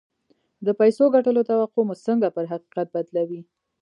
د پيسو ګټلو توقع مو څنګه پر حقيقت بدلوي؟